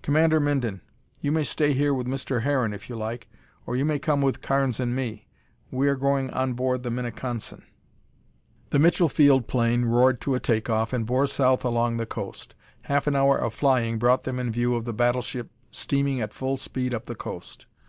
Commander Minden, you may stay here with Mr. Harron, if you like, or you may come with Carnes and me. We are going on board the Minneconsin." The Mitchell Field plane roared to a take off and bore south along the coast. Half an hour of flying brought them in view of the battleship steaming at full speed up the coast.